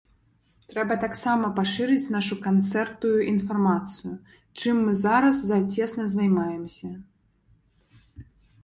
Трэба таксама пашырыць нашу канцэртую геаграфію, чым мы зараз цесна займаемся.